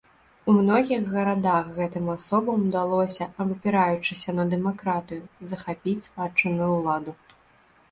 У многіх гарадах гэтым асобам удалося, абапіраючыся на дэмакратыю, захапіць спадчынную ўладу.